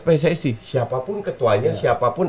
pssi siapapun ketuanya siapapun